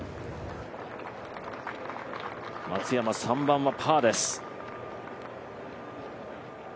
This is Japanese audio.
松山３番はパーです。